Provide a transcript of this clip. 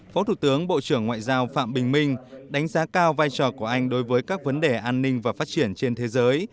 phó thủ tướng bộ trưởng ngoại giao phạm bình minh đánh giá cao vai trò của anh đối với các vấn đề an ninh và phát triển trên thế giới